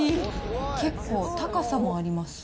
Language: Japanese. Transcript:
結構高さもあります。